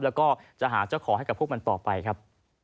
แล้วก็จะหาเจ้าของให้กับพวกมันต่อไปครับ